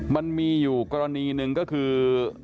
มันมีอยู่กรณีหนึ่งก็คือ